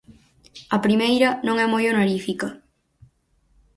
A primeira non é moi honorífica.